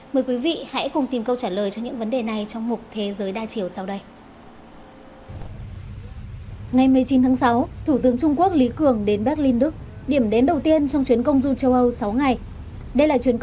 mời quý vị hãy cùng tìm câu trả lời cho những vấn đề này trong mục thế giới đa chiều sau đây